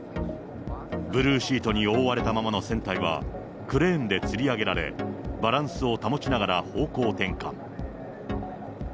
ブルーシートに覆われたままの船体は、クレーンでつり上げられ、バランスを保ちながら方向転換。